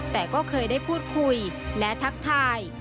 แต่ก็เคยได้พูดคุยและทักทาย